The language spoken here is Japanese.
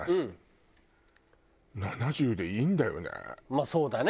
まあそうだね。